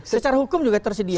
secara hukum juga tersedia